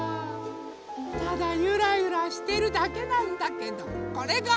ただゆらゆらしてるだけなんだけどこれが。